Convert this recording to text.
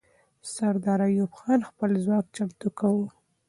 سردار ایوب خان خپل ځواک چمتو کاوه.